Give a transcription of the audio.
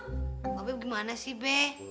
mbak be gimana sih be